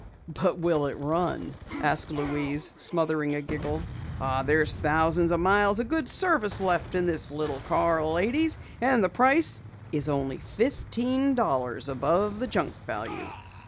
"But will it run?" asked Louise, smothering a giggle. "There's thousands of miles of good service left in this little car, ladies. And the price is only fifteen dollars above the junk value."